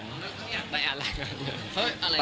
อยากได้อะไรอะไร